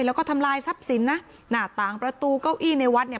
แล้วก็ทำลายทรัพย์สินนะหน้าต่างประตูเก้าอี้ในวัดเนี่ย